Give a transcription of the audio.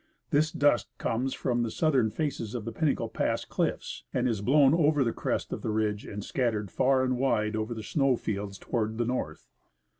This dust comes from the sojithern faces of the Pinnacle pass cliffs, and is blown over the crest of the ridge and scattered far and wide over the snow fields toward the north.